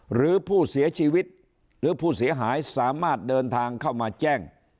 หรือผู้เสียชีวิตหรือผู้เสียหายสามารถเดินทางเข้ามาแจ้ง